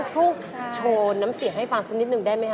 พูดโชว์น้ำเสียงให้ฟังสักนิดนึงได้ไหมค